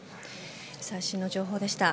最新の情報でした。